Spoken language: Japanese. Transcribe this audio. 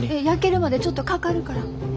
焼けるまでちょっとかかるから。